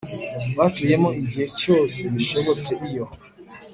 batuyemo Igihe cyose bishobotse iyo